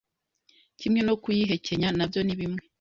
kimwe no kugihekenya nabyo nibimwe